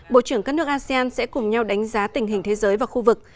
bộ trưởng các nước asean sẽ cùng nhau đánh giá tình hình thế giới và khu vực